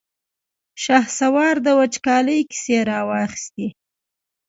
شهسوار د وچکالۍ کيسې را واخيستې.